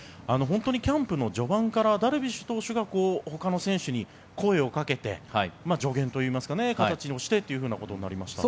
キャンプの序盤からダルビッシュ投手がほかの選手に声をかけて助言といいますかそういう形をしてということになりました。